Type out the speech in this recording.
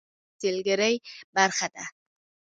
خاوره د افغانستان د سیلګرۍ برخه ده.